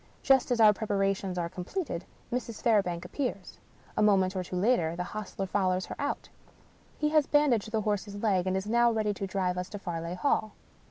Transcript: Just as our preparations are completed, Mrs. Fairbank appears. A moment or two later the hostler fol lows her out. He has bandaged the horse's leg, and is now ready to drive us to Farleigh Hall.